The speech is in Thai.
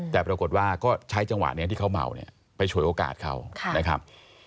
แต่ปรากฏว่าก็ใช้จังหวะนี้ที่เขาเมาเนี่ยไปฉวยโอกาสเขานะครับ